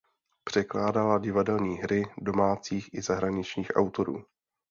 Překládala divadelní hry domácích i zahraničních autorů.